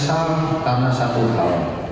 saya menyesal karena satu tahun